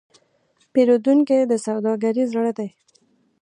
پیرودونکی د سوداګرۍ زړه دی.